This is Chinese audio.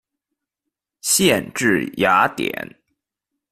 县治雅典。